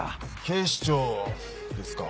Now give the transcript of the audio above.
警視庁ですか。